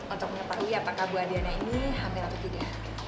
untuk mengetahui apakah bu adriana ini hamil atau tidak